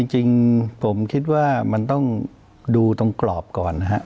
จริงผมคิดว่ามันต้องดูตรงกรอบก่อนนะครับ